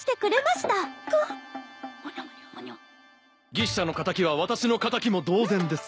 牛車の敵は私の敵も同然です。